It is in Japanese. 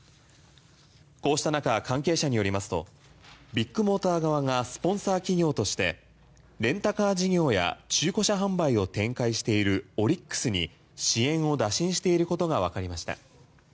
こうした中、関係者によりますとビッグモーター側がスポンサー企業としてレンタカー事業や中古車販売を展開しているオリックスに支援を打診していることがわかりました。